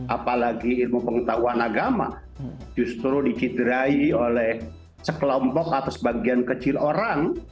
apalagi ilmu pengetahuan agama justru dikiderai oleh sekelompok atau sebagian kecil orang